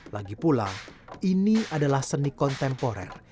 lagipula ini adalah seni kontemporer